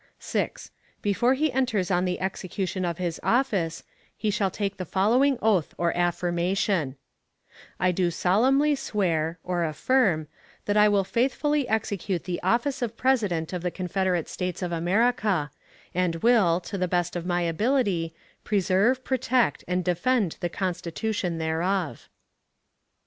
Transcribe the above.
6. Before he enters on the execution of his office, he shall take the following oath or affirmation: I do solemnly swear (or affirm) that I will faithfully execute the office of President of the Confederate States of America, and will, to the best of my ability, preserve, protect, and defend the Constitution thereof.